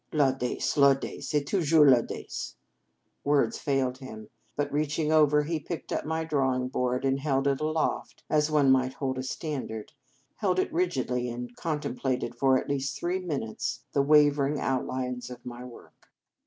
"L audace, Paudace, et toujours 1 audace." Words failed him, but, reaching over, he picked up my drawing board, and held it aloft as one might hold a standard; held it rigidly, and contemplated for at least three minutes the wavering outlines of my work.